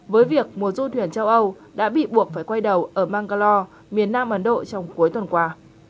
với việc một du thuyền châu âu đã bị buộc phải quay đầu ở manggalo miền nam ấn độ trong cuối tuần qua